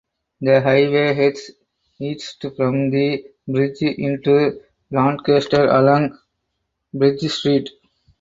The highway heads east from the bridge into Lancaster along Bridge Street.